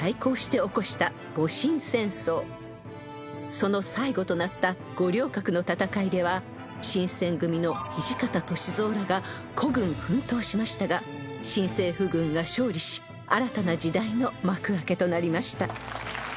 ［その最後となった五稜郭の戦いでは新撰組の土方歳三らが孤軍奮闘しましたが新政府軍が勝利し新たな時代の幕開けとなりました］